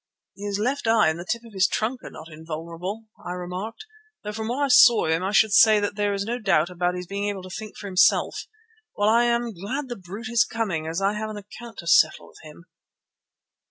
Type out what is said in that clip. "His left eye and the tip of his trunk are not invulnerable," I remarked, "though from what I saw of him I should say there is no doubt about his being able to think for himself. Well, I am glad the brute is coming as I have an account to settle with him."